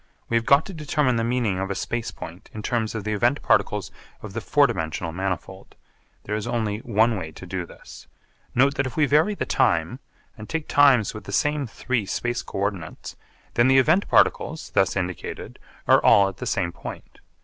We have got to determine the meaning of a space point in terms of the event particles of the four dimensional manifold. There is only one way to do this. Note that if we vary the time and take times with the same three space co ordinates, then the event particles, thus indicated, are all at the same point.